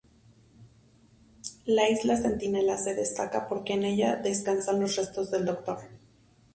La isla Centinela se destaca porque en ella descansan los restos del Dr.